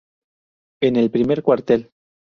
En el primer cuartel.